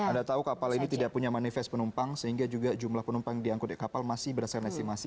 anda tahu kapal ini tidak punya manifest penumpang sehingga juga jumlah penumpang yang diangkut di kapal masih berdasarkan estimasi